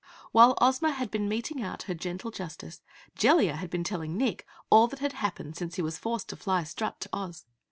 While Ozma had been meting out her gentle justice, Jellia had been telling Nick all that had happened since he was forced to fly Strut to Oz.